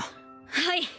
はい